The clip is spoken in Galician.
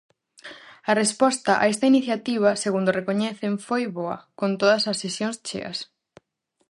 A resposta a esta iniciativa, segundo recoñecen "foi boa" con todas as sesións cheas.